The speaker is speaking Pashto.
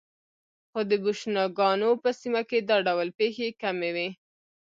خو د بوشنګانو په سیمه کې دا ډول پېښې کمې وې.